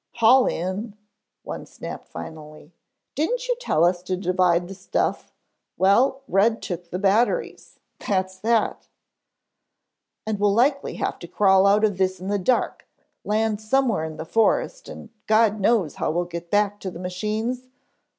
"Haul in," one snapped finally. "Didn't you tell us to divide the stuff well, Red took the batteries that's that " "And we'll likely have to crawl out of this in the dark, land somewhere in the forest, and who knows how we'll get back to the machines?"